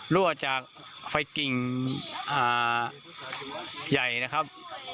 รั่วจากไฟกิ่งใหญ่นะครับ